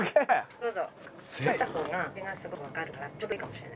どうぞ。